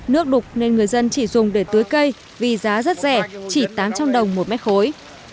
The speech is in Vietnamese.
nước đục nên người dân chỉ dùng để tưới cây vì giá rất rẻ chỉ tám trăm linh đồng một mét khối